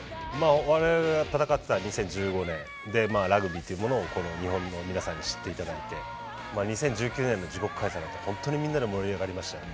我々が戦ってた２０１５年でラグビーというものをこの日本の皆さんに知っていただいて２０１９年の自国開催は本当にみんなで盛り上がりましたよね。